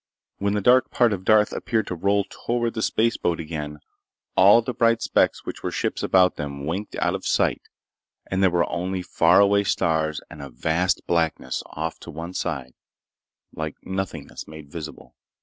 When the dark part of Darth appeared to roll toward the spaceboat again all the bright specks which were ships about them winked out of sight and there were only faraway stars and a vast blackness off to one side like nothingness made visible.